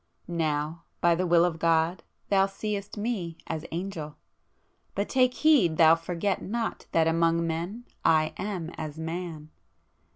Now, by the will of God, thou seest me as Angel;—but take heed thou forget not that among men I am as Man!